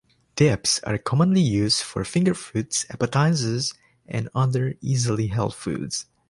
Dips are commonly used for finger foods, appetizers, and other easily held foods.